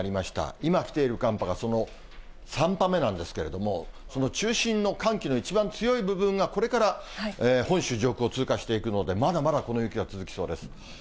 今来ている寒波がその３波目なんですけれども、その中心の寒気の一番強い部分が、これから本州上空を通過していくので、まだまだこの雪は続きそうです。